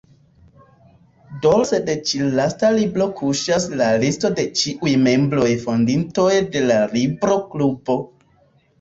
Dorse de ĉi-lasta libro kuŝas la listo de ĉiuj membroj-fondintoj de la Libro-Klubo.